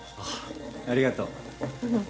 ありがとう。